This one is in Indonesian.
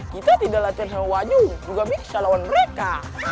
kita tidak latihan hal wajung juga bisa lawan mereka